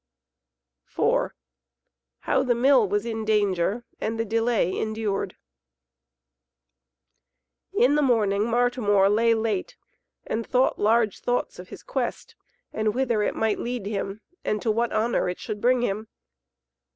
IV How the Mill was in Danger and the Delay Endured In the morning Martimor lay late and thought large thoughts of his quest, and whither it might lead him, and to what honour it should bring him.